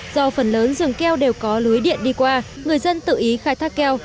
do phần lớn rừng keo đều có lưới điện đi qua người dân tự ý khai thác keo